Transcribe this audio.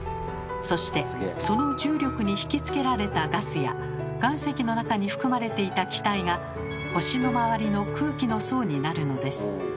そしてその重力に引きつけられたガスや岩石の中に含まれていた気体が星の周りの空気の層になるのです。